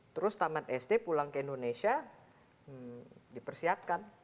terus tamat sd pulang ke indonesia dipersiapkan